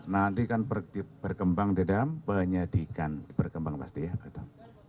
nanti kan berkembang di dalam penyidikan berkembang pasti ya